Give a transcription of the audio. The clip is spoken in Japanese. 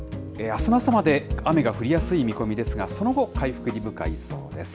あすの朝まで雨が降りやすい見込みですが、その後、回復に向かいそうです。